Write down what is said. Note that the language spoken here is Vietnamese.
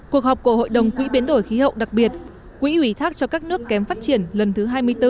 cuộc họp của hội đồng quỹ biến đổi khí hậu đặc biệt quỹ ủy thác cho các nước kém phát triển lần thứ hai mươi bốn